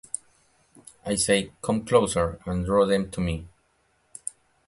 I say 'Come closer' and draw them to me.